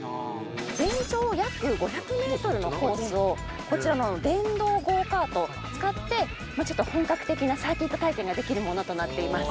全長約５００ｍのコースをこちらの電動ゴーカートを使って本格的なサーキット体験ができるものとなっています